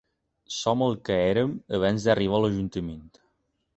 Som el que érem abans d’arribar a l’ajuntament.